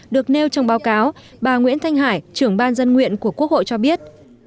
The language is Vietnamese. được nêu trong báo cáo bà nguyễn thanh hải trưởng ban dân nguyện của quốc hội cho biết